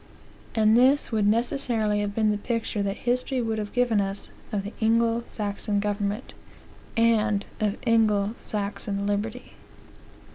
And this would necessarily have been the picture that history would have given us of the Anglo Saxon government, and of Anglo Saxon liberty.